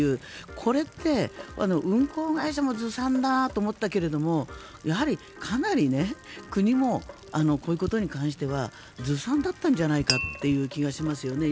これって運航会社もずさんだと思ったけどやはりかなり国もこういうことに関してはずさんだったんじゃないかという気がしますよね。